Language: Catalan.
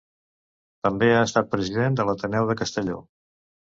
També ha estat president de l'Ateneu de Castelló.